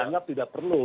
ya nggak tidak perlu